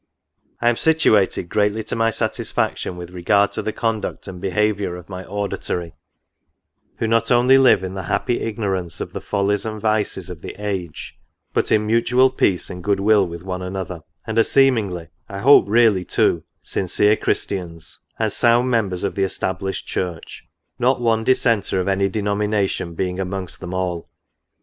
" I am situated greatly to my satisfaction with regard to the conduct and behaviour of my auditory, who not only live in the happy ignorance of the follies and vices of the age, but in mutual peace and good will with one another, and are seemingly (I hope really too) sincere Christians, and sound members of the established church, not one dissenter of any denomination being amongst them all.